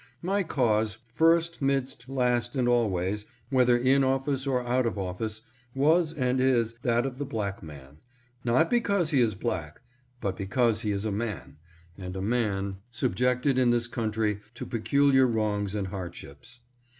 My cause first, midst, last, and always, whether in office or out of office, was and is that of the black man ; not because he is black, but because he is a man, and a man subjected in this coun try to peculiar wrongs and hardships.